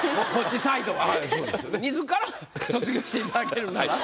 自ら卒業していただけるなら。